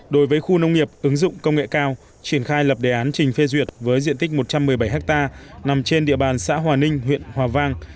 đối với khu nông nghiệp ứng dụng công nghệ cao triển khai lập đề án trình phê duyệt với diện tích một trăm một mươi bảy hectare nằm trên địa bàn xã hòa ninh huyện hòa vang